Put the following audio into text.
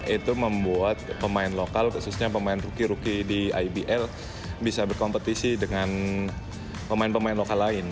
itu membuat pemain lokal khususnya pemain rookie rookie di ibl bisa berkompetisi dengan pemain pemain lokal lain